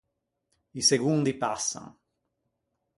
I segondi passan.